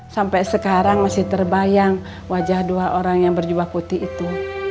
sampai sekarang masih terbayang wajah dua orang yang berjubah putih itu